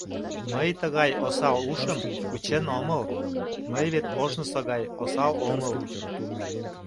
Мый тыгай осал ушым кучен омыл... мый вет ожнысо гай осал омыл...